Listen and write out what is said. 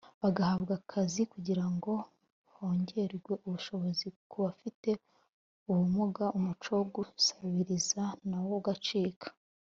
bagahabwa akazi kugira ngo hongerwe ubushobozi ku bafite ubumuga umuco wo gusabiriza nawo ugacika